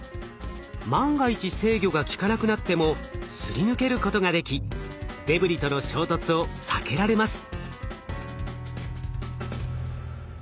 万が一制御がきかなくなってもすり抜けることができデブリとの衝突を避けられます。